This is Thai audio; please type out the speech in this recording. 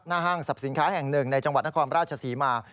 ห้างสรรพสินค้าแห่งหนึ่งในจังหวัดนครราชศรีมา